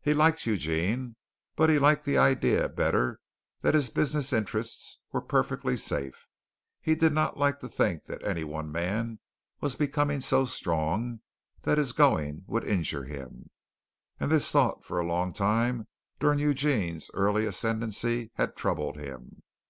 He liked Eugene, but he liked the idea better that his business interests were perfectly safe. He did not like to think that any one man was becoming so strong that his going would injure him, and this thought for a long time during Eugene's early ascendancy had troubled him.